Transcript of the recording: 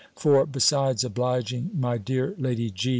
For, besides obliging my dear Lady G.